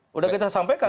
sudah kita sampaikan